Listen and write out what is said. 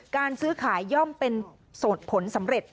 การซื้อขายย่อมเป็นผลสำเร็จ